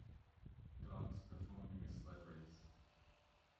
Dogs performing a sled race